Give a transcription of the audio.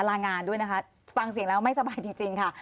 ลางานด้วยนะคะฟังเสียงแล้วไม่สบายจริงค่ะ